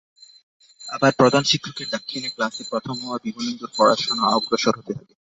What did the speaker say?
আবার প্রধান শিক্ষকের দাক্ষিণ্যে ক্লাসে প্রথম হওয়া বিমলেন্দুর পড়াশোনা অগ্রসর হতে থাকে।